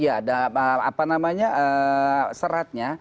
iya ada apa namanya seratnya